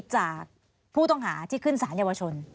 จากผู้ต้องหาที่ขึ้นสารเยาวชน